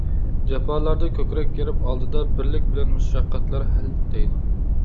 جاپالاردا كۆكرەك كىرىپ ئالدىدا، بىرلىك بىلەن مۇشەققەتلەر ھەل دەيدۇ.